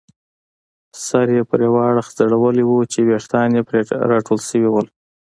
سر یې پر یوه اړخ ځړولی وو چې ویښتان یې پرې راټول شوي وو.